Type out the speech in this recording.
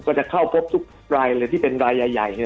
ก็จะเข้าพบทุกรายเลยที่เป็นรายใหญ่